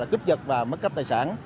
cứp dật và mất cấp tài sản